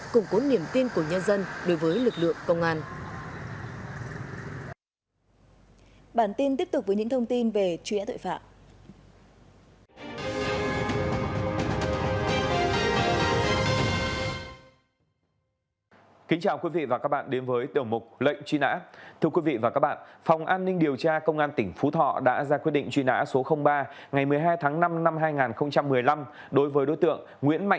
cùng cố niềm tin của nhân dân đối với lực lượng công an